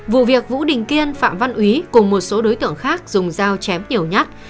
vụ việc vũ đình kiên phạm văn úy cùng một số đối tượng khác dùng dao chém nhiều nhát